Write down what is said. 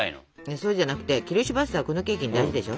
そうじゃなくてキルシュヴァッサーはこのケーキに大事でしょ？